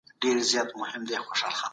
د حکومت تیروتني څنګه په ګوته کیږي؟